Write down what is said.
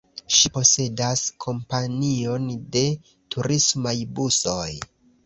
Ŝi posedas kompanion de turismaj busoj.